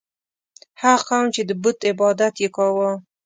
هغه قوم چې د بت عبادت یې کاوه.